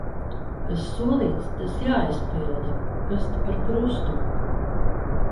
Kas solīts, tas jāizpilda. Kas ta par krustu.